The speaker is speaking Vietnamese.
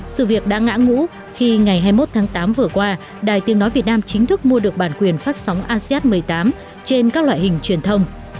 sự việc đã ngã ngũ khi ngày hai mươi một tháng tám vừa qua đài tiếng nói việt nam chính thức mua được bản quyền phát sóng asean một mươi tám trên các loại hình truyền thông